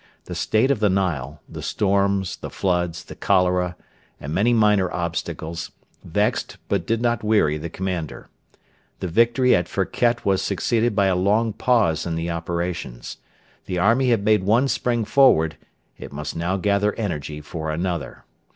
The state of the Nile, the storms, the floods, the cholera, and many minor obstacles, vexed but did not weary the commander. The victory at Firket was succeeded by a long pause in the operations. The army had made one spring forward; it must now gather energy for another.